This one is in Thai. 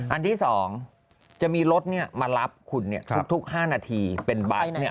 อันที่๒จะมีรถมารับคุณทุก๕นาทีเป็นบัส